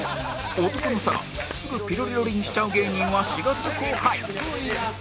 男の性すぐピロリロリンしちゃう芸人は４月公開